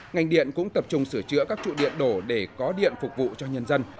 ngành điện cũng tập trung sửa chữa các trụ điện đổ để có điện phục vụ cho nhân dân